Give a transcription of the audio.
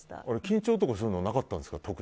緊張とかするのはなかったんですか？